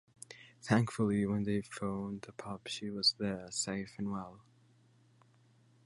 Thankfully when they phoned the pub she was there safe and well.